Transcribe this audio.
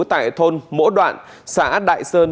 tại thôn mỗ đoạn xã đại sơn